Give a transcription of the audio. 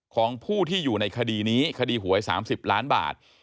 ของผู้ที่อยู่ในคดีนี้คดีหวย๓๐ล้านบาท